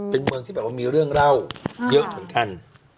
เป็นเมืองที่แบบว่ามีเรื่องเล่าเยอะเหมือนกัน